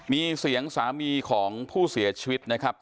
มีเสียงสามีของผู้เสียชีวิตนะครับ